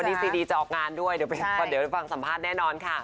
ซีดีจะออกงานด้วยเดี๋ยวไปฟังสัมภาษณ์แน่นอนค่ะ